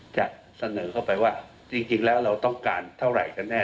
จะเสนอเข้าไปว่าจริงแล้วเราต้องการเท่าไหร่กันแน่